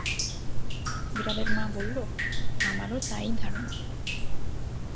বিড়ালের মা বলল, আমারও তাই ধারণা।